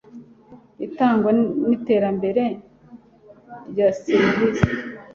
itangwa n iterambere rya serivisi